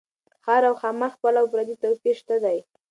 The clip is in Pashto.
ښار او ښامار خپل او پردي توپير شته دي